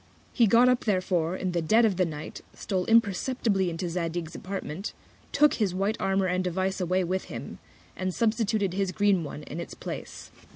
He got up therefore in the Dead of the Night, stole imperceptibly into Zadig's Apartment, took his white Armour and Device away with him, and substituted his green One in its Place.